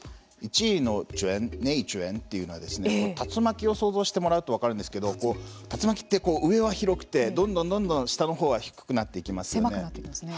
１位の内巻というのは竜巻を想像してもらうと分かるんですけど竜巻って上は広くてどんどん下のほうは低くなっていきますよね。